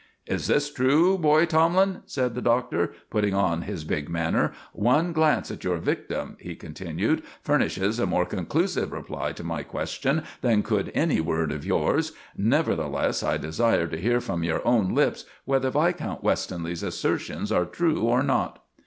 "Is this true, boy Tomlin?" said the Doctor, putting on his big manner. "One glance at your victim," he continued, "furnishes a more conclusive reply to my question than could any word of yours; nevertheless, I desire to hear from your own lips whether Viscount Westonleigh's assertions are true or not."